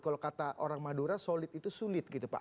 kalau kata orang madura solid itu sulit gitu pak